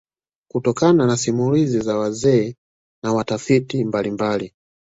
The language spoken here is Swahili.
Kutokana na simulizi za wazee na watafiti mbalimbali